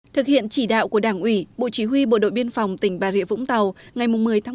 thực hiện chỉ đạo của đảng ủy bộ chỉ huy bộ đội biên phòng tỉnh bà rịa vũng tàu ngày một mươi một mươi một hai nghìn chín